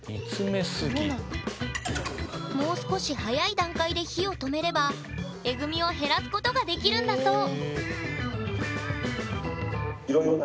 もう少し早い段階で火を止めればえぐみを減らすことができるんだそう。